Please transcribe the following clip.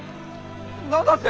何だって！？